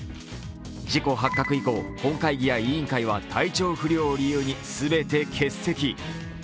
事故発覚以降、本会議や委員会は体調不良を理由に全て欠席。